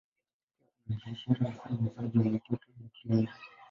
Pia kuna biashara, hasa uuzaji wa mapato ya Kilimo.